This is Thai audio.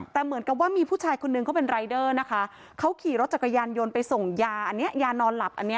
แต่เหมือนกับว่ามีผู้ชายคนนึงเขาเป็นรายเดอร์นะคะเขาขี่รถจักรยานยนต์ไปส่งยาอันนี้ยานอนหลับอันนี้